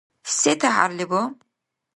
Се тяхӀяр леба?